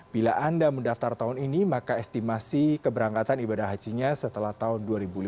bila anda mendaftar tahun ini maka estimasi keberangkatan ibadah hajinya setelah tahun dua ribu lima belas